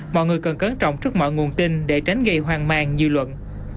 mọi người cần cấn trọng trước mọi nguồn tin để tránh gây hoang mang dư luận